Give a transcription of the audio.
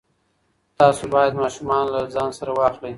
تاسو باید ماشومان له ځان سره واخلئ.